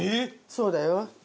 そうだよ。